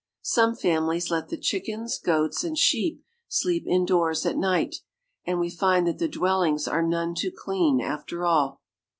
Some families let the chickens, goats, and sheep sleep indoors at night, and we find that the dwellings are none too clean after all.